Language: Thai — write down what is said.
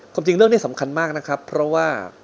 จริงเรื่องนี้สำคัญมากนะครับเพราะว่า